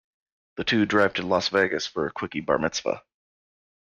The two drive to Las Vegas for a quickie Bar Mitzvah.